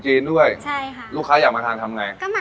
โหวนี่คิดถามหลายอย่างมั้ง